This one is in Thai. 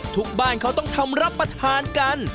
ทุกบ้านเขาต้องทำรับประทานกัน